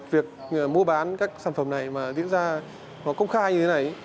việc mua bán các sản phẩm này mà diễn ra công khai như thế này